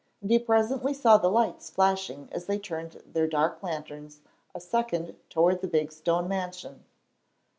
And he presently saw the lights flashing as they turned their dark lanterns a second toward the big stone mansion.